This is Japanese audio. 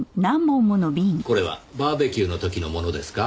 これはバーベキューの時のものですか？